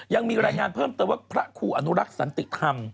ยังมีรายงานเพิ่มเติมว่าพระครูอนุรักษ์สันติธรรม